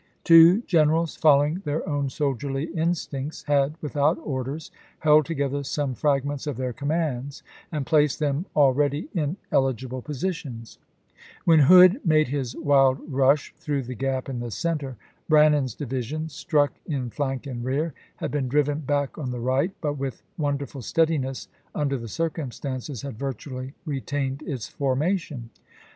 Two generals, following their own soldierly instincts, had without orders held together some fragments of their commands and placed them al ready in eligible positions. When Hood made his Vol. VIII.— 7 W. R Vol. XXX Part I., p. 402. 98 ABKAHAM LINCOLN CHAP. IV. wild rush through the gap in the center, Brannan's Braiman, divisiou, struck in flank and rear, had been driven Report. '' back on the right, but with wonderful steadiness, under the circumstances, had virtually retained its formation.